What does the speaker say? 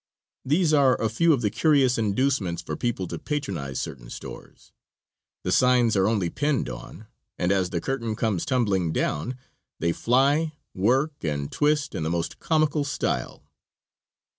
These are a few of the curious inducements for people to patronize certain stores. The signs are only pinned on, and as the curtain comes tumbling down they fly, work and twist in the most comical style.